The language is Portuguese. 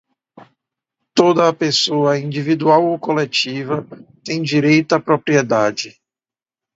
Toda a pessoa, individual ou colectiva, tem direito à propriedade.